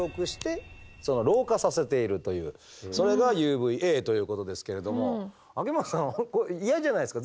それがＵＶーＡということですけれども秋元さんは嫌じゃないですか。